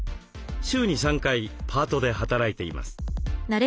週に３回パートで働いています。